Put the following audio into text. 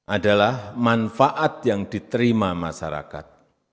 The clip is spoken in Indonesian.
adalah manfaat yang diterima masyarakat